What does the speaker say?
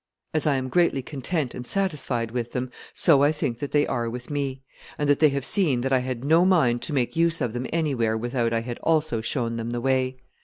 As I am greatly content and satisfied with them, so I think that they are with me, and that they have seen that I had no mind to make use of them anywhere without I had also shown them the way.